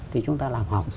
thì chúng ta làm học